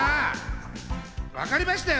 わかりましたよ！